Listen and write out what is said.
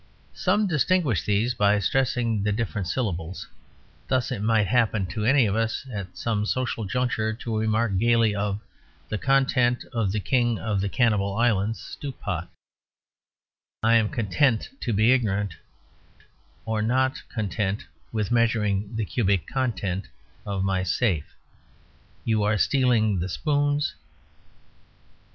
Some distinguish these by stressing the different syllables. Thus, it might happen to any of us, at some social juncture, to remark gaily, "Of the content of the King of the Cannibal Islands' Stewpot I am content to be ignorant"; or "Not content with measuring the cubic content of my safe, you are stealing the spoons."